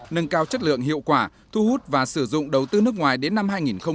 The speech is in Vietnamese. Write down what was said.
nâng cao chất lượng hiệu quả thu hút và sử dụng đầu tư nước ngoài đến năm hai nghìn hai mươi